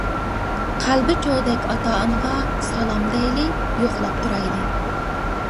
قەلبى چوغدەك ئاتا-ئانىغا، سالام دەيلى، يوقلاپ تۇرايلى.